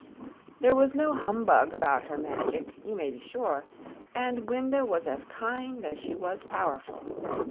There was no humbug about her magic, you may be sure, and Glinda was as kind as she was powerful.